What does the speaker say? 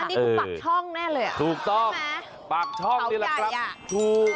อันนี้คือปากช่องแน่เลยอ่ะถูกต้องปากช่องนี่แหละครับถูก